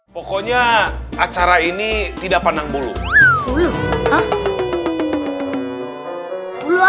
pokoknya acara ini tidak pandang bulu